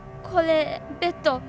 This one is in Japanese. これベッド